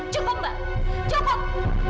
cukup mbak cukup